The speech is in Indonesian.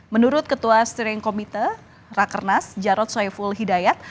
menurut ketua stering komite raker nas jarod soevul hidayat